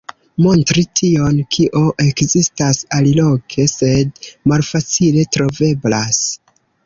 Montri tion kio ekzistas aliloke, sed malfacile troveblas.